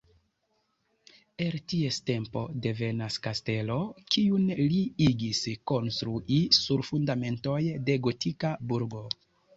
El ties tempo devenas kastelo, kiun li igis konstrui sur fundamentoj de gotika burgo.